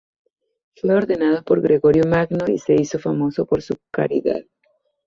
Fue ordenado por Gregorio Magno, y se hizo famoso por su caridad.